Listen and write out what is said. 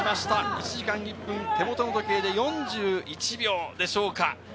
１時間１分、手元の時計で４１秒でしょうか。